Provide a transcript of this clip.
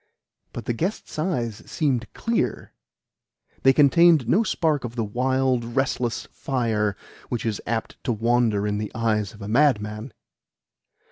But the guest's eyes seemed clear they contained no spark of the wild, restless fire which is apt to wander in the eyes of madmen.